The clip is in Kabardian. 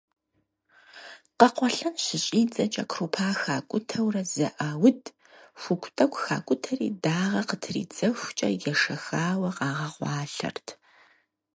Къэкъуэлъэн щыщӏидзэкӏэ крупа хакӏутэурэ зэӏауд, хугу тӏэкӏу хакӏутэри дагъэ къытридзэхукӏэ ешэхауэ къагъэкъуалъэрт.